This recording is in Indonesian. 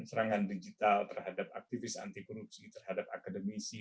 serangan digital terhadap aktivis anti korupsi terhadap akademisi